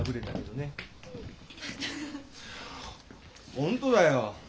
本当だよ。